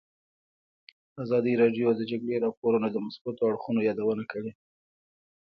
ازادي راډیو د د جګړې راپورونه د مثبتو اړخونو یادونه کړې.